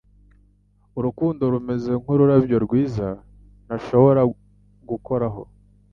Urukundo rumeze nk'ururabyo rwiza ntashobora gukoraho,